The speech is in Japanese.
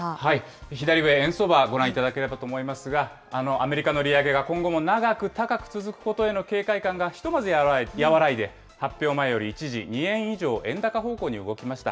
左上、円相場、ご覧いただけるかと思いますが、アメリカの利上げが今後も長く高く続くことへの警戒感がひとまず和らいで、発表前より一時、２円以上円高方向に動きました。